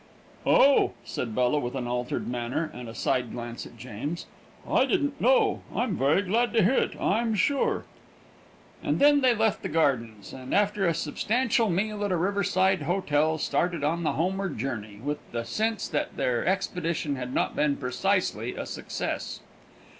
"Oh!" said Bella, with an altered manner and a side glance at James, "I didn't know. I'm very glad to hear it, I'm sure." And then they left the gardens, and, after a substantial meal at a riverside hotel, started on the homeward journey, with the sense that their expedition had not been precisely a success.